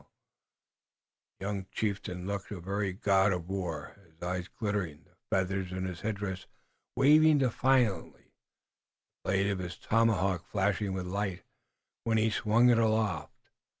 The young chieftain looked a very god of war, his eyes glittering, the feathers in his headdress waving defiantly, the blade of his tomahawk flashing with light, when he swung it aloft.